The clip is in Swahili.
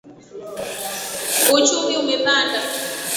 Uchumi umepanda.